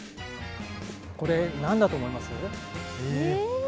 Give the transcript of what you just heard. これ何だと思います？え？